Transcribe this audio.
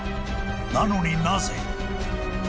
［なのになぜ？］